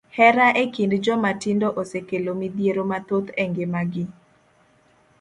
Hera e kind joma tindo osekelo midhiero mathoth e ngima gi.